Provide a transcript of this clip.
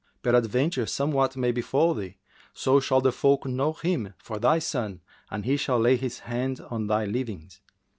Peradventure somewhat may befal thee; so shall the folk know him for thy son and he shall lay his hand on thy leavings.